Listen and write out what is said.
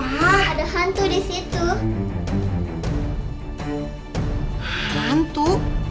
ada hantu disana